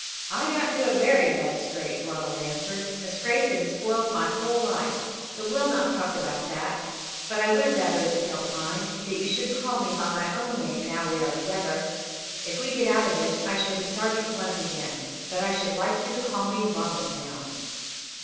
"I got into a very bad scrape," Ronald answered, "a scrape that has spoilt my whole life; but we will not talk about that. But I would rather, if you don't mind, that you should call me by my own name now we are together. If we get out of this I shall be Sergeant Blunt again, but I should like you to call me Ronald now."